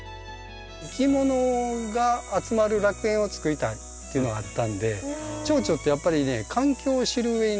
いきものが集まる楽園を作りたいっていうのがあったんでチョウチョってやっぱりね環境を知るうえにね